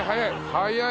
早い！